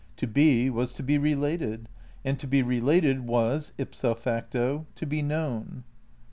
To be was to be related, and to be related was, ipso facto, to be known.